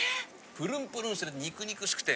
プルンプルンしてる肉々しくて。